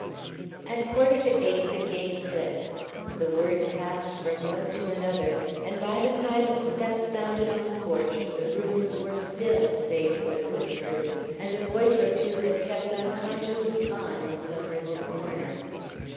At quarter to eight the gate clicked. The word passed from one to another, and by the time a step sounded on the porch the rooms were still, save for the whispers, and a voice or two that kept unconsciously on in some remote corner.